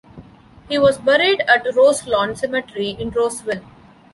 He was buried at Roselawn Cemetery in Roseville.